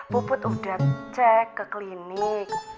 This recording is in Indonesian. puput udah cek ke klinik